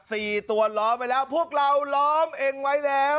สี่ตัวล้อมไว้แล้วพวกเราล้อมเองไว้แล้ว